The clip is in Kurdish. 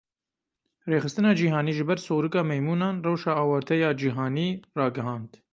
Rêxistina cîhanî ji ber Sorika Meymûnan rewşa awarte ya cîhanî ragihand.